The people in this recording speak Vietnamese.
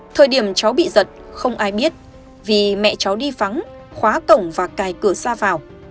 thời điểm cháu bị giật không ai biết vì mẹ cháu đi vắng khóa cổng và cài cửa xa vào